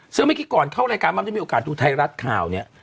ซึ่งเมื่อกี้ก่อนเข้ารายการมันจะมีโอกาสดูไทยรัฐข่าวเนี่ย